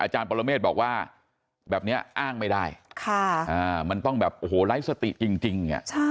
ปรเมฆบอกว่าแบบนี้อ้างไม่ได้มันต้องแบบโอ้โหไร้สติจริง